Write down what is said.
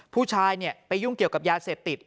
ผู้ชายไปยุ่งเกี่ยวกับยาเสพติด